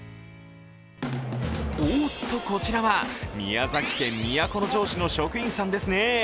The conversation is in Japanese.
おっと、こちらは宮崎県都城市の職員さんですね。